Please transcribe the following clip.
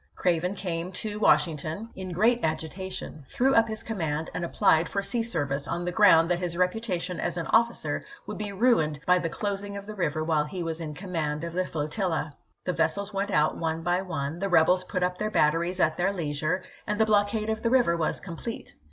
Craven came to Washington in great agitation, threw up his com ^o'lly ^Re i^and, and applied for sea service, on the ground committel that his rcputatiou as an officer would be ruined by ducfonhe" the closing of the river while he was in command L,^p.24o.' of the flotilla. The vessels went out one by one; the rebels put up their batteries at their leisure, and the blockade of the river was complete.